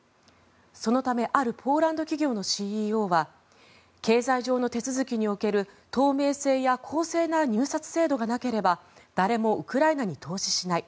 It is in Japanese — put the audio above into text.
そのためあるポーランド企業のＣＥＯは経済上の手続きにおける透明性や公正な入札制度がなければ誰もウクライナに投資しない。